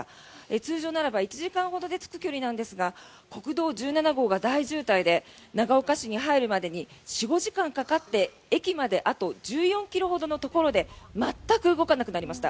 通常ならば１時間ほどで着く距離なんですが国道１７号が大渋滞で長岡市に入るまでに４５時間かかって駅まであと１４ｋｍほどのところで全く動かなくなりました。